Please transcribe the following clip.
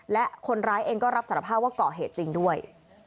และคนร้ายเองก็รับสารภาพว่าก่อเหตุจริงด้วย